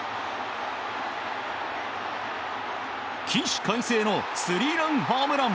起死回生のスリーランホームラン！